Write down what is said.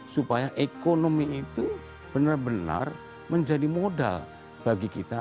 supaya ekonomi itu benar benar menjadi modal bagi kita